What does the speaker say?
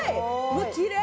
きれい！